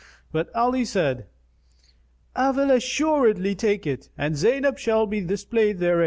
But Ali said, "I will assuredly take it, and Zaynab shall be displayed therein."